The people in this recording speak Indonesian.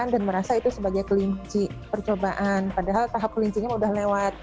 dan merasa itu sebagai kelinci percobaan padahal tahap kelinci nya sudah lewat